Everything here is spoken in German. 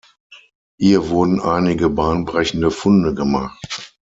Hier wurden einige bahnbrechende Funde gemacht.